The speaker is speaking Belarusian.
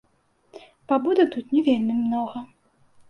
Пабуду тут не вельмі многа.